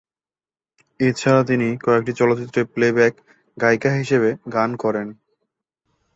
এছাড়া তিনি কয়েকটি চলচ্চিত্রে প্লেব্যাক গায়িকা হিসেবে গান করেন।